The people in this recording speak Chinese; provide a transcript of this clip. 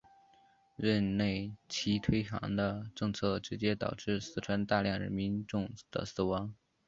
任内其推行的政策直接导致四川大量民众的死亡。